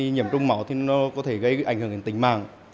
nhiễm trung máu thì nó có thể gây ảnh hưởng đến tình mạng